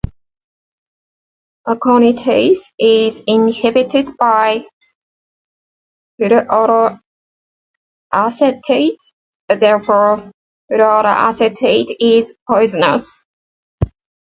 Aconitase is inhibited by fluoroacetate, therefore fluoroacetate is poisonous.